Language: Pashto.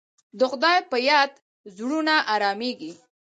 د خدای په یاد زړونه ارامېږي.